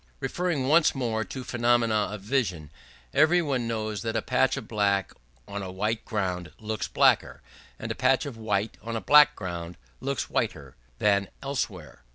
Referring once more to phenomena of vision, every one knows that a patch of black on a white ground looks blacker, and a patch of white on a black ground looks whiter, than elsewhere.